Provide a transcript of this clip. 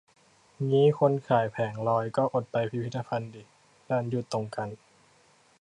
งี้คนขายแผงลอย ก็อดไปพิพิธภัณฑ์ดิ ดันหยุดตรงกัน